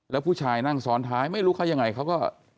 แล้วผู้ชายนั่งซ้อนท้ายไม่รู้เขายังไงเขาก็